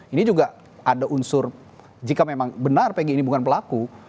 ini juga ada unsur jika memang benar pg ini bukan pelaku